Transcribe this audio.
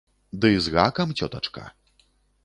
Ды з гакам, цётачка.